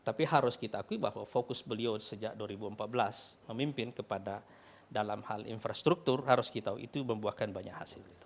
tapi harus kita akui bahwa fokus beliau sejak dua ribu empat belas memimpin kepada dalam hal infrastruktur harus kita itu membuahkan banyak hasil